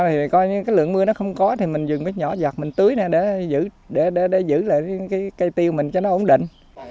thì coi như cái lượng mưa nó không có thì mình dừng cái nhỏ giặt mình tưới này để giữ lại cái cây tiêu mình cho nó ổn định